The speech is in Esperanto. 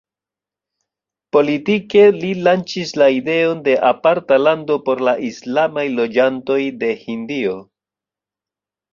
Politike li lanĉis la ideon de aparta lando por la islamaj loĝantoj de Hindio.